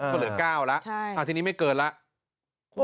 ก็เหลือ๙แล้วทีนี้ไม่เกินแล้ว